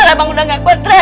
barukan abang sudah gak crate